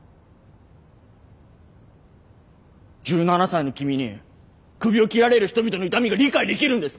１７才の君にクビを切られる人々の痛みが理解できるんですか！